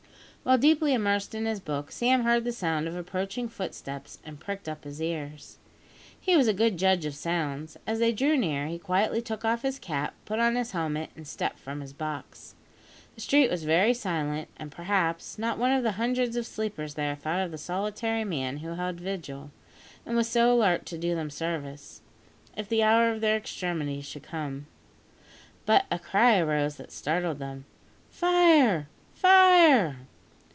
While deeply immersed in his book, Sam heard the sound of approaching footsteps, and pricked up his ears. He was a good judge of such sounds. As they drew near, he quietly took off his cap, put on his helmet, and stepped from his box. The street was very silent; and, perhaps, not one of the hundreds of sleepers there thought of the solitary man who held vigil, and was so alert to do them service, if the hour of their extremity should come. But a cry arose that startled them "Fire! fire!!"